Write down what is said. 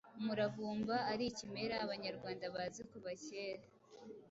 umuravumba ari ikimera abanyarwanda bazi kuva kera,